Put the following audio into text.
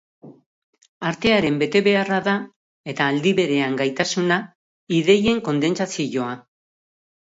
Artearen betebeharra da, eta aldi berean gaitasuna, ideien kondentsazioa.